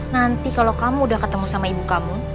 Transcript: nanti kalau kamu udah ketemu sama ibu kamu